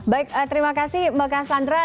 baik terima kasih mbak cassandra